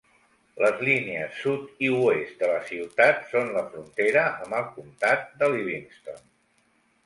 Les línies sud i oest de la ciutat són la frontera amb el comtat de Livingston.